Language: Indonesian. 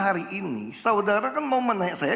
hari ini saudara kan mau menanyakan